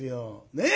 ねえ！